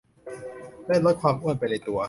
ได้ลดความอ้วนไปในตัว